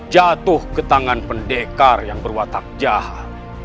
jatuh ke tangan pendekar yang berwatak jahat